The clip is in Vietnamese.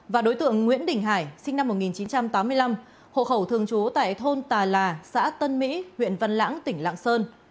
và đối tượng nguyễn đình hải sinh năm một nghìn chín trăm tám mươi năm hộ khẩu thường trú tại thôn tà là xã tân mỹ huyện văn lãng tỉnh lạng sơn